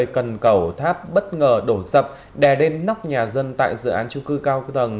cần cầu tháp bất ngờ đổ sập đè đen nóc nhà dân tại dự án chung cư cao tầng